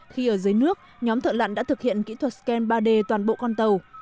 khi ở dưới nước nhóm thợ lặn đã thực hiện kỹ thuật scan ba d toàn bộ con tàu